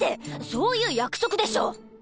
そういう約束でしょ！